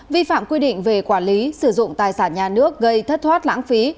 vi phạm quy định về quản lý sử dụng tài sản nhà nước gây thất thoát lãng phí